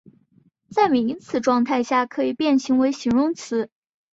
在名词状态下可以变形为形容词。